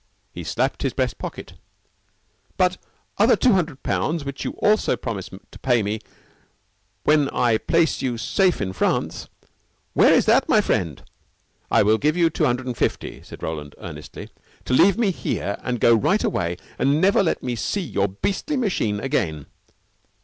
He slapped his breast pocket. "But the other two hundred pounds which also you promise me to pay me when I place you safe in France, where is that, my friend?" "I will give you two hundred and fifty," said Roland earnestly, "to leave me here, and go right away, and never let me see your beastly machine again."